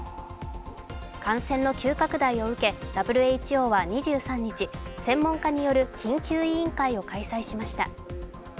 感染の急拡大を受け、ＷＨＯは２３日専門家による緊急委員会を開催しました。